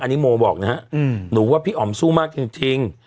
อันนี้โมบอกนะฮะหนูว่าพี่อ๋อมสู้มากจริง